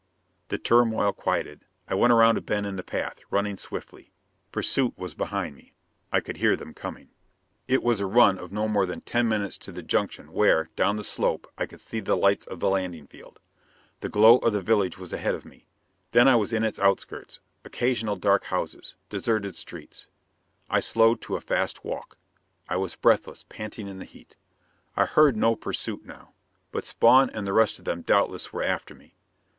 The turmoil quieted. I went around a bend in the path, running swiftly. Pursuit was behind me. I could hear them coming. It was a run of no more than ten minutes to the junction where, down the slope, I could see the lights of the landing field. The glow of the village was ahead of me. Then I was in its outskirts. Occasional dark houses. Deserted streets. I slowed to a fast walk. I was breathless, panting in the heat. I heard no pursuit now. But Spawn and the rest of them doubtless were after me.